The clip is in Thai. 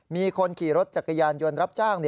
มีคนขี่รถจักรยานยนต์รับจ้าง